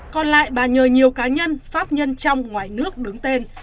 còn lại bà nhờ nhiều cá nhân pháp nhân trong ngoài nước đứng tên